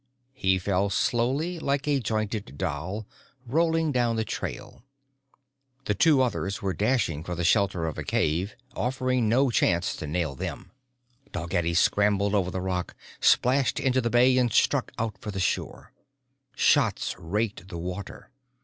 _ He fell slowly, like a jointed doll, rolling down the trail. The two others were dashing for the shelter of a cave, offering no chance to nail them. Dalgetty scrambled over the rock, splashed into the bay and struck out for the shore. Shots raked the water.